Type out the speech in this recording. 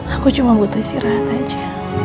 aku cuma butuh istirahat aja